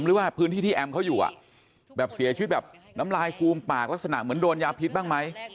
หรือว่าพื้นที่ที่แอมเขาอยู่แบบเสียชีวิตแบบน้ำลายฟูมปากลักษณะเหมือนโดนยาพิษบ้างไหม